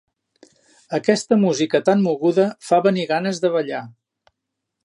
Aquesta música tan moguda fa venir ganes de ballar.